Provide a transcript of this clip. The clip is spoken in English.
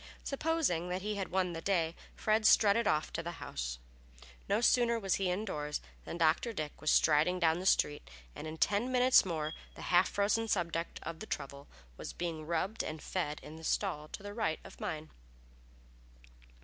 Supposing that he had won the day, Fred strutted off to the house. No sooner was he indoors than Dr. Dick was striding down street, and in ten minutes more the half frozen subject of the trouble was being rubbed and fed in the stall to the right of mine.